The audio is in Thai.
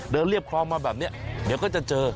เรียบคลองมาแบบนี้เดี๋ยวก็จะเจอ